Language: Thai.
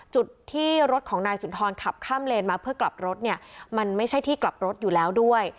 จุดที่รถของนายสุนทรขับข้ามเลนมาเพื่อกลับรถเนี่ยมันไม่ใช่ที่กลับรถอยู่แล้วด้วย